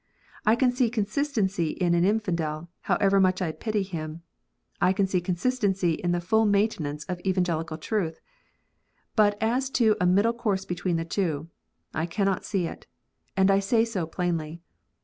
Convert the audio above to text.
I can see consistency in an infidel, however much I may pity him. I can see consistency in the full maintenance of Evangelical truth. But as to a middle course between the two, I cannot see it ; and I say so plainly.